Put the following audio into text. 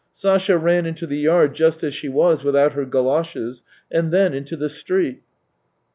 Sasha ran into the yard just as she was without her goloshes, and then into the street.